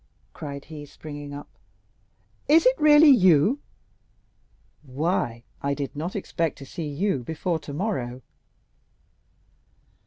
cried he, springing up, "is it really you? Why, I did not expect to see you before tomorrow."